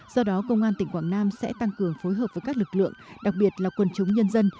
do đó công an tỉnh quảng nam sẽ tăng cường phối hợp với các lực lượng đặc biệt là quân chúng nhân dân